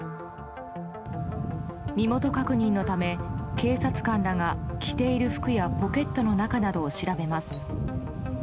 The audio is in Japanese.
身元確認のため、警察官らが着ている服やポケットの中などを調べます。